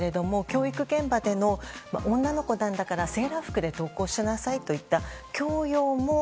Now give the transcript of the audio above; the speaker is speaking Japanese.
教育現場での女の子なんだからセーラー服で登校しなさいといった強要もＳＯＧＩ